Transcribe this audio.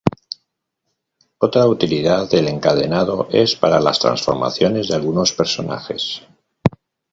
Otra utilidad del encadenado es para las transformaciones de algunos personajes.